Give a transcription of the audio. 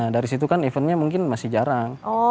dari situ kan eventnya mungkin masih jarang